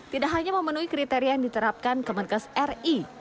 tidak hanya memenuhi kriteria yang diterapkan kemenkes ri